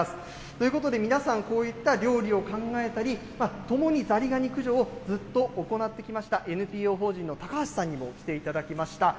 ということで、皆さん、こういった料理を考えたり、共にザリガニ駆除をずっと行ってきましたＮＰＯ法人の高橋さんにも来ていただきました。